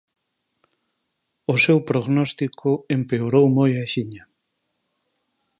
O seu prognóstico empeorou moi axiña.